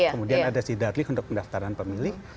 kemudian ada sidatlam untuk pendaftaran pemilik